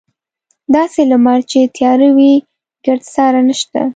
داسې لمر چې تیاره وي ګردسره نشته.